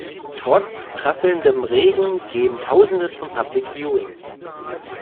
Trotz prasselndem Regen gehen tausende zum Public Viewing.